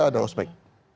tidak ada ospec